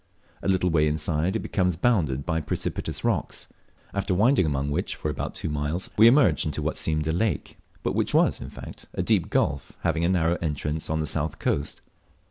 A little way inside it becomes bounded by precipitous rocks, after winding among which for about two miles, we emerged into what seemed a lake, but which was in fact a deep gulf having a narrow entrance on the south coast.